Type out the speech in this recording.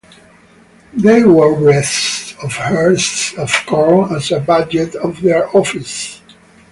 They wore wreaths of ears of corn as a badge of their office.